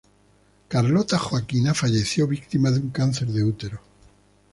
Carlota Joaquina falleció víctima de un cáncer de útero.